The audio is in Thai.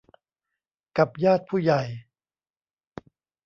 กับญาติผู้ใหญ่